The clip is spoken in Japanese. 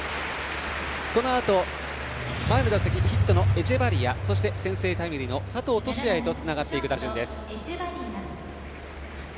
このあと前の打席ヒットのエチェバリア先制タイムリーの佐藤都志也へとつながっていく打順です。